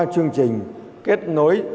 chương trình kết nối